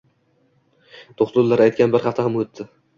Do`xtirlar aytgan bir hafta ham o`tdi